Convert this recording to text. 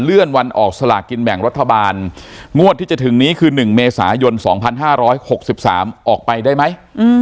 เลื่อนวันออกสลากินแบ่งรัฐบาลงวดที่จะถึงนี้คือ๑เมษายน๒๕๖๓ออกไปได้ไหม